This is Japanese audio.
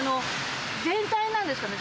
全体なんですかね。